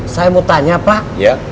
saya mau tanya pak